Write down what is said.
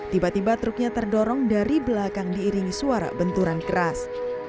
tiba tiba truknya terdorong dari belakang diiringi suara benturan keras